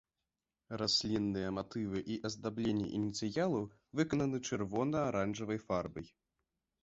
Раслінныя матывы і аздабленні ініцыялаў выкананы чырвона-аранжавай фарбай.